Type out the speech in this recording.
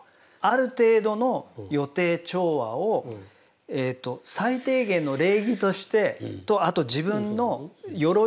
ある程度の予定調和をえと最低限の礼儀としてとあと自分のよろいとして持っていて。